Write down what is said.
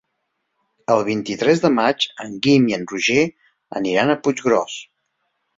El vint-i-tres de maig en Guim i en Roger aniran a Puiggròs.